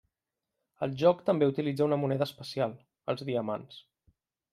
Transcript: El joc també utilitza una moneda especial: els diamants.